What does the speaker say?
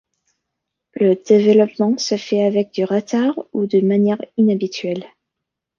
Le développement se fait avec du retard ou de manière inhabituelle.